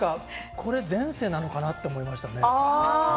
これ前世なのかなって思いました。